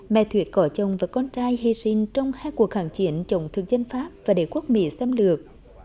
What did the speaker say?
mẹ thuyết có chồng và con trai hy sinh trong hai cuộc hạng chiến chống thực dân pháp và đế quốc mỹ xâm lược